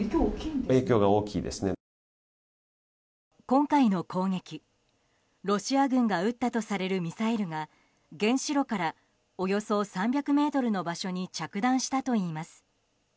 今回の攻撃、ロシア軍が撃ったとされるミサイルが原子炉からおよそ３００ｍの場所に着弾したといいます。